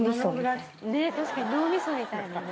確かに脳みそみたいなね。